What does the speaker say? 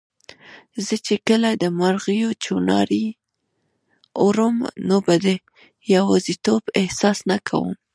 زه چي کله د مرغیو چوڼاری اورم، نو به د یوازیتوب احساس نه کوم